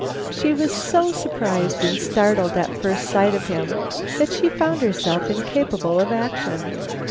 She was so surprised and startled at first sight of him that she found herself incapable of action.